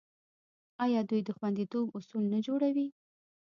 آیا دوی د خوندیتوب اصول نه جوړوي؟